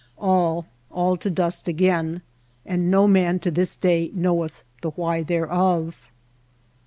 All, all to dust again ; and no man to this day knoweth the why thereof.